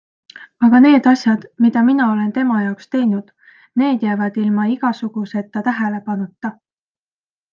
Aga need asjad, mida mina olen tema jaoks teinud, need jäävad ilma igasuguseta tähelepanuta.